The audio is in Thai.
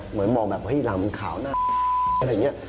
เหมือนมองแบบว่าลำขาวหน้าอะไรอย่างนี้